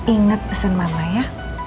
ingat pesan mama ya